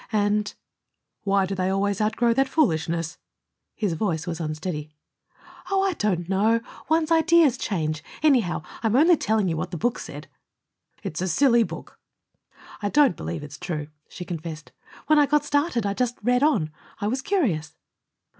And " "Why do they always outgrow that foolishness?" His voice was unsteady. "Oh, I don't know. One's ideas change. Anyhow, I'm only telling you what the book said." "It's a silly book." "I don't believe it's true," she confessed. "When I got started I just read on. I was curious."